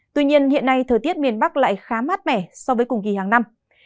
tuy nhiên hiện nay thời tiết miền bắc lại khá mát mẻ so với cùng kỳ hàng năm